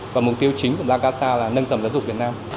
và mục tiêu chính của plakasa là nâng tầm giáo dục việt nam